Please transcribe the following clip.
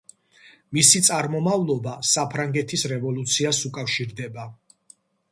მისი წარმომავლობა საფრანგეთის რევოლუციას უკავშირდება.